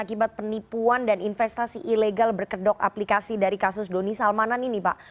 akibat penipuan dan investasi ilegal berkedok aplikasi dari kasus doni salmanan ini pak